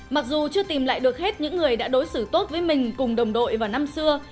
mặc dù chưa tìm lại được hết những người đã đối xử tốt với mình cùng đồng đội vào năm xưa